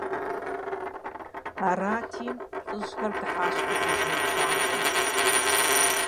Арати, лӀыжьхэр дыхьащ фызыжьым и пщӀантӀэм.